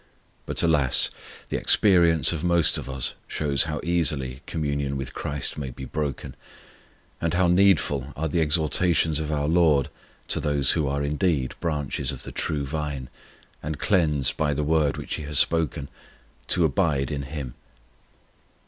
But, alas, the experience of most of us shows how easily communion with CHRIST may be broken, and how needful are the exhortations of our LORD to those who are indeed branches of the true Vine, and cleansed by the Word which He has spoken, to abide in Him.